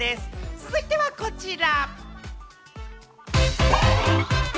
続いてはこちら！